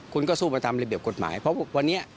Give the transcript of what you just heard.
คุณก็สู้ไปตามระเบียบกฎหมายเพราะวันนี้